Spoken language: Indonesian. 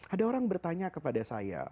ada orang bertanya kepada saya